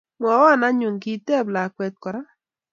Mwoiwo anyun, kiteb lakwet kora